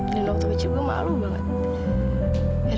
dan waktu kecil gue malu banget